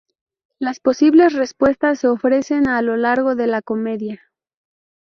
Las posibles respuestas se ofrecen a lo largo de la comedia.